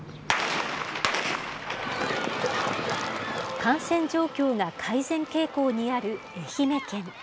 感染状況が改善傾向にある愛媛県。